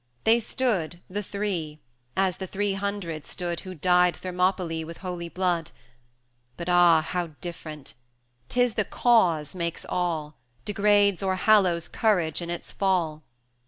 They stood, the three, as the three hundred stood Who dyed Thermopylæ with holy blood. 260 But, ah! how different! 'tis the cause makes all, Degrades or hallows courage in its fall.